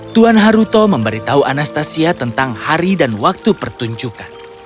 tuan haruto memberitahu anastasia tentang hari dan waktu pertunjukan